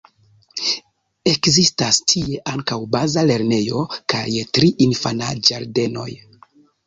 Ekzistas tie ankaŭ baza lernejo kaj tri infanĝardenoj.